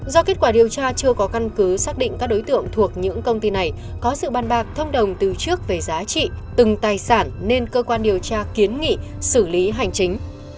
do kết quả điều tra chưa có căn cứ xác định các đối tượng thuộc những công ty này có sự bàn bạc thông đồng từ trước về giá trị từng tài sản nên cơ quan điều tra kiến nghị xử lý hành chính